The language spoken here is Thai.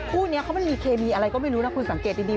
คู่นี้เขามันมีเคมีอะไรก็ไม่รู้นะคุณสังเกตดี